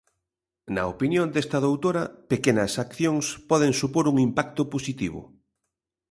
Na opinión desta doutora, pequenas accións poden supor un impacto positivo.